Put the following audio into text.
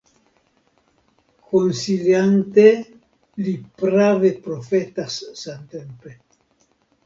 Konsilante, li prave profetas samtempe.